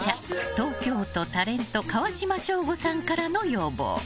東京都、タレント川島省吾さんからの要望。